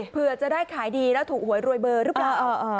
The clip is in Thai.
เผื่อจะได้ขายดีแล้วถูกหวยรวยเบอร์หรือเปล่า